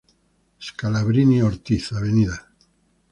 Scalabrini Ortiz, Av.